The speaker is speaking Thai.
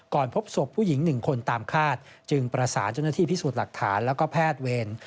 ก่อนพบศพผู้หญิงหนึ่งคนตามฆาตจึงประสานจนที่พิสูจน์หลักฐานและแพทย์เวร